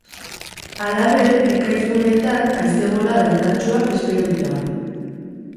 Halaber, ekaitz guneetan haize bolada indartsuak espero dira.